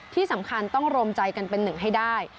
ที่สำคัญต้องโรมใจกันเป็น๑ให้ได้